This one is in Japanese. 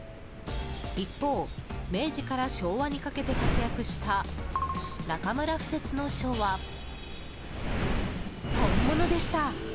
一方、明治から昭和にかけて活躍した中村不折の書は本物でした。